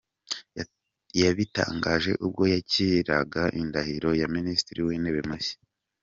Yabitangaje ubwo yakiraga indahiro ya Minisitiri w’Intebe mushya.